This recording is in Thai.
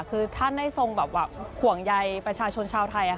คือท่านได้ทรงห่วงใยประชาชนชาวไทย